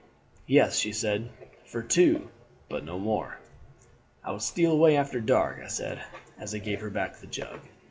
"'Yes,' she said, 'for two, but no more.' "'I will steal away after dark,' I said as I gave her back the jug.